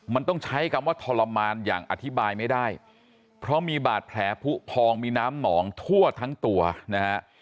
มันต้องใช้คำว่าทรมานอย่างอธิบายไม่ได้เพราะมีบาดแผลผู้พองมีน้ำหนองทั่วทั้งตัวนะฮะ